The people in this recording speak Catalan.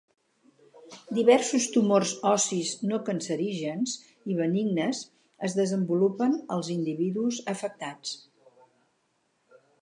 Diversos tumors ossis no-cancerígens i benignes es desenvolupen als individus afectats.